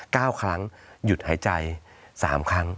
ก้าวครั้งหยุดหายใจ๓ครั้ง